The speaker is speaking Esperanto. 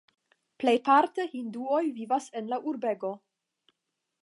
Plejparte hinduoj vivas en la urbego.